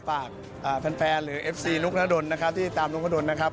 ฝากแฟนหรือเอฟซีนุกนาดนที่ตามนุกนาดนนะครับ